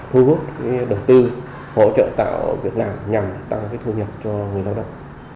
thu hút đồng tư hỗ trợ tạo việc làm nhằm tăng thu nhập